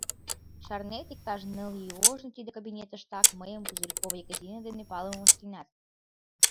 — Шарнет, иктаж ныл ий ожно тиде кабинетыштак мыйым Пузырькова Екатерина дене палымым ыштенат?